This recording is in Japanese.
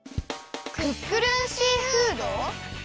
クックルンシーフード？